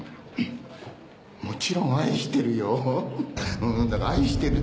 もちろん愛してるよ。